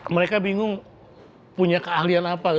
mereka bingung punya keahlian apa